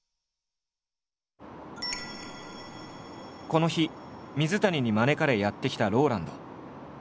この日水谷に招かれやって来たＲＯＬＡＮＤ。